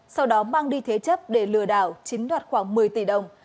sau đó mang đi thế chấp để lừa đảo chiếm đoạt khoảng một mươi tỷ đồng